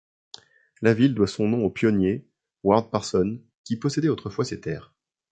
La ville doit son nom au pionnier Ward Parsons, qui possédait autrefois ces terres.